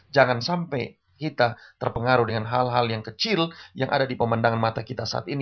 jangan sampai kita terpengaruh dengan hal hal yang kecil yang ada di pemandangan mata kita saat ini